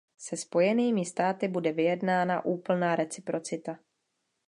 Se Spojenými státy bude vyjednána úplná reciprocita.